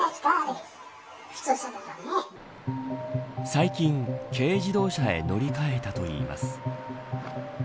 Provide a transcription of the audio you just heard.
最近、軽自動車へ乗り換えたといいます。